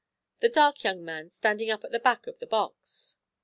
the dark young man standing up at the back of the box."